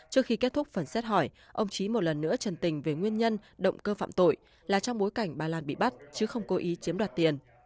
trước khi kết thúc phần xét hỏi ông trí một lần nữa trần tình về nguyên nhân động cơ phạm tội là trong bối cảnh bà lan bị bắt chứ không cố ý chiếm đoạt tiền